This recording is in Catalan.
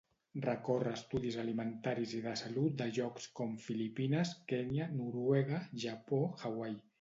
Recorre estudis alimentaris i de salut de llocs com Filipines, Kenya, Noruega, Japó, Hawaii.